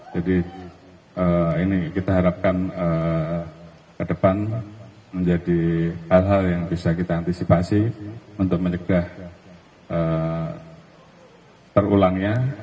jadi ini kita harapkan ke depan menjadi hal hal yang bisa kita antisipasi untuk mencegah terulangnya